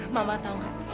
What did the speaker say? mama tau gak